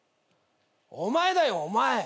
お前だよお前。